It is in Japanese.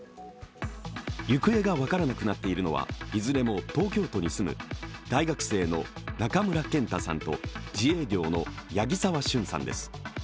行方が分からなくなっているのはいずれも東京都に住む、大学生の中村健太さんと自営業の八木澤峻さんです。